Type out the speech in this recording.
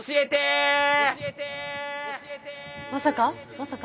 まさか？